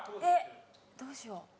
えっどうしよう。